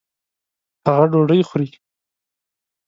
هغه ډوډۍ خوري